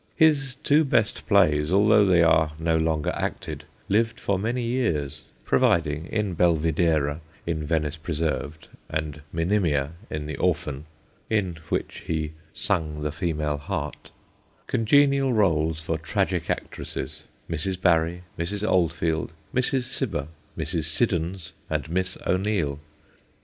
His two best plays, although they are no longer acted, lived for many years, providing in Belvidera, in Venice Preserv'd and Monimia, in The Orphan (in which he "sung the female heart") congenial rôles for tragic actresses Mrs. Barry, Mrs. Oldfield, Mrs. Cibber, Mrs. Siddons and Miss O'Neill.